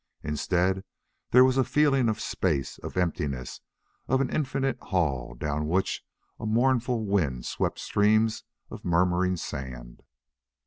Instead there was the feeling of space, of emptiness, of an infinite hall down which a mournful wind swept streams of murmuring sand.